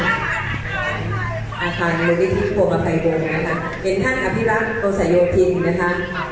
อาคารโบราษีทิศปวงภัยบงศ์นะครับเห็นท่านอภิรัติโตสายโยภินภ์นะครับ